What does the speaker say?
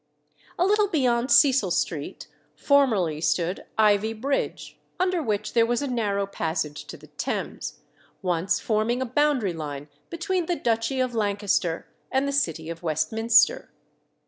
A little beyond Cecil Street formerly stood Ivy Bridge, under which there was a narrow passage to the Thames, once forming a boundary line between the Duchy of Lancaster and the City of Westminster.